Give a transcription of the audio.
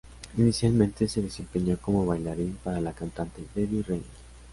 Inicialmente se desempeñó como bailarín para la cantante Debbie Reynolds.